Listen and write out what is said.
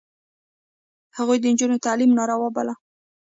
هغوی د نجونو تعلیم ناروا باله.